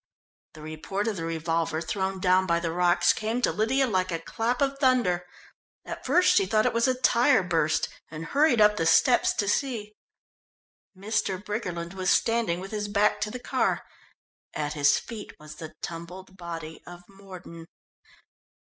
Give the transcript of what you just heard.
The report of the revolver thrown down by the rocks came to Lydia like a clap of thunder. At first she thought it was a tyre burst and hurried up the steps to see. Mr. Briggerland was standing with his back to the car. At his feet was the tumbled body of Mordon.